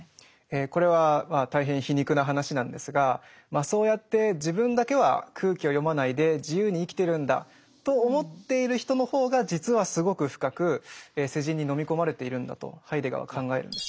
えこれは大変皮肉な話なんですがそうやって自分だけは空気を読まないで自由に生きてるんだと思っている人の方が実はすごく深く世人に飲み込まれているんだとハイデガーは考えるんですね。